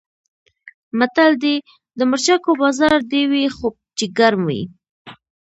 متل دی: د مرچکو بازار دې وي خو چې ګرم وي.